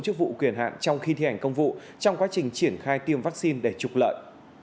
chức vụ quyền hạn trong khi thi hành công vụ trong quá trình triển khai tiêm vaccine để trục lợi